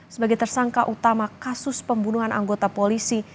sebagai tersangka utama kasus pembunuhan anggota polisi